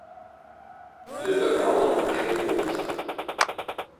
Lizdą krauna neaukštai krūmuose.